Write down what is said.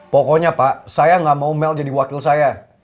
pokoknya pak saya gak mau mel jadi wakil saya